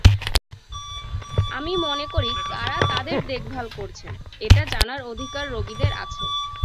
আমি মনে করি, কারা তাঁদের দেখভাল করছেন, এটা জানার অধিকার রোগীদের আছে।